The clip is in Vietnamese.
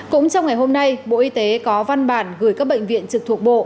cũng trong ngày hôm nay bộ y tế có văn bản gửi các bệnh viện trực thuộc bộ